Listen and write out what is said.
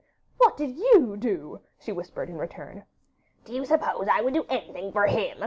'What did YOU do?' she whispered in return. 'Do you suppose I would do anything for HIM?